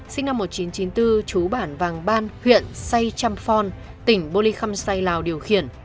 sinh năm một nghìn chín trăm chín mươi bốn chú bản vàng ban huyện say champhong tỉnh bô lê khâm say lào điều khiển